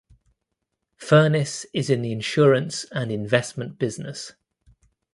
Furniss is in the insurance and investment business.